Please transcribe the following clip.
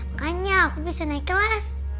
makanya aku bisa naik kelas